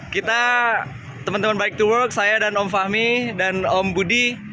kita teman teman bike to work saya dan om fahmi dan om budi